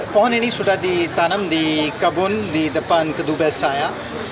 pohon ini sudah ditanam di kebun di depan kedubes saya